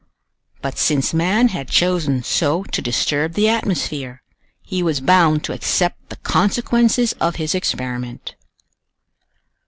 But since man had chosen so to disturb the atmosphere, he was bound to accept the consequences of his experiment.